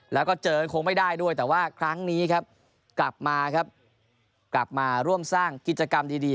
และก็เจอของไม่ได้ด้วยแต่ว่าครั้งนี้กลับมาร่วมสร้างกิจกรรมดี